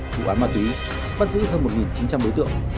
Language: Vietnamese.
thủ án ma túy bắt giữ hơn một chín trăm linh đối tượng